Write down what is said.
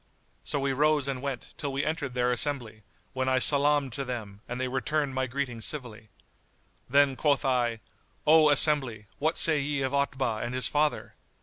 So we rose and went, till we entered their assembly, when I salam'd to them and they returned my greeting civilly. Then quoth I, "O assembly, what say ye of Otbah and his father?"